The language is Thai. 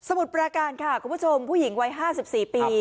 มุดปราการค่ะคุณผู้ชมผู้หญิงวัย๕๔ปี